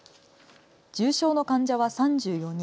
重症の患者は３４人。